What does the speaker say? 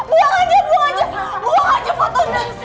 buang aja buang aja foto nya